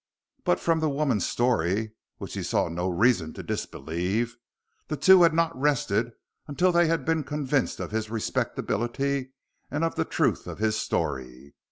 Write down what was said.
But from the woman's story which he saw no reason to disbelieve the two had not rested until they had been convinced of his respectability and of the truth of his story.